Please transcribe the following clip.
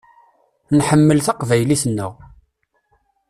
Nḥemmel taqbaylit-nneɣ.